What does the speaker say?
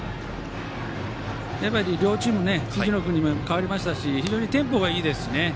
両チーム、辻井君に代わりましたし非常にテンポがいいですよね。